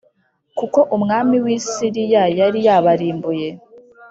kuko umwami w i Siriya yari yabarimbuye